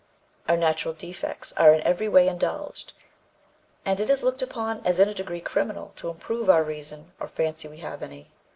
Our natural defects are in every way indulged, and it is looked upon as in a degree criminal to improve our reason or fancy we have any....